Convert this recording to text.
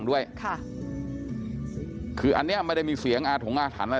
ก็คือในรัฐสมียใกล้เคียงไม่มีผู้หญิงเลย